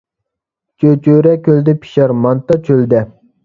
چۆچۈرە كۆلدە پىشار، مانتا چۆلدە